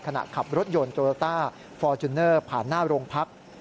ขับรถยนต์โตโลต้าฟอร์จูเนอร์ผ่านหน้าโรงพัก